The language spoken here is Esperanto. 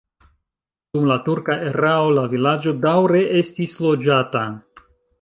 Dum la turka erao la vilaĝo daŭre estis loĝata.